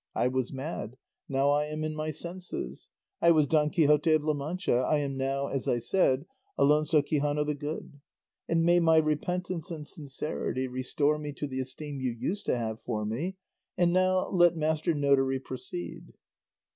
I was mad, now I am in my senses; I was Don Quixote of La Mancha, I am now, as I said, Alonso Quixano the Good; and may my repentance and sincerity restore me to the esteem you used to have for me; and now let Master Notary proceed.